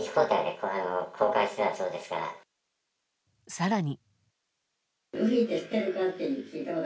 更に。